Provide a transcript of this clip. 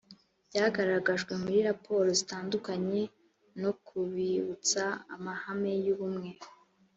byagaragajwe muri raporo zitandukanye no kubibutsa amahame y ubumwe